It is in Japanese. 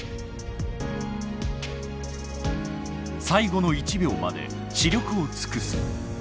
最後の１秒まで死力を尽くす。